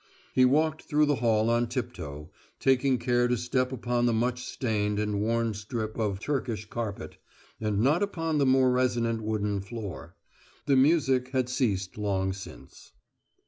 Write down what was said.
He walked through the hall on tiptoe, taking care to step upon the much stained and worn strip of "Turkish" carpet, and not upon the more resonant wooden floor. The music had ceased long since.